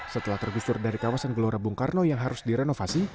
setelah tergusur dari kawasan gelora bung karno yang harus direnovasi